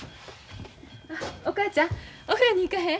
お母ちゃんお風呂に行かへん？